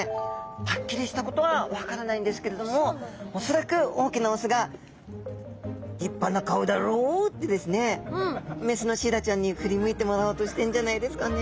はっきりしたことは分からないんですけれども恐らく大きな雄が雌のシイラちゃんに振り向いてもらおうとしてんじゃないですかね。